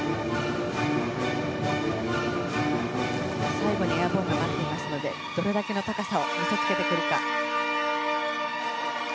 最後にエアボーンが待っていますのでどれだけの高さを見せつけてくるか。